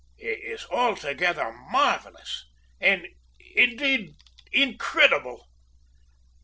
It is altogether marvellous and, indeed, incredible!"